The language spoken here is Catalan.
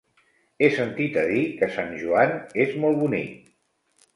He sentit a dir que Sant Joan és molt bonic.